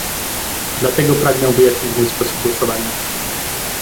Dlatego pragnę wyjaśnić mój sposób głosowania